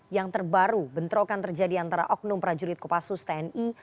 yang terbaru bentrokan terjadi antara oknum prajurit kopassus tni